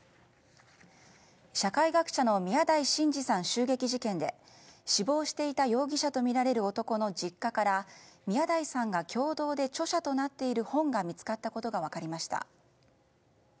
社会学者の宮台真司さん襲撃事件で死亡していた容疑者とみられる男の実家から宮台さんが共同で著者となっている本が見つかったことが分かりました。